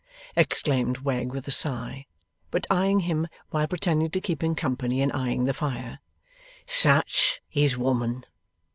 exclaimed Wegg with a sigh, but eyeing him while pretending to keep him company in eyeing the fire, 'such is Woman!